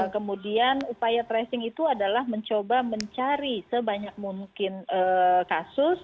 kemudian upaya tracing itu adalah mencoba mencari sebanyak mungkin kasus kontak erat dan suspek